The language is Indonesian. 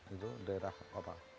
itu daerah apa